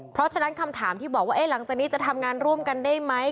เพราะฉะนั้นคำถามที่บอกว่าหลังจากนี้จะทำงานร่วมกันได้ไหม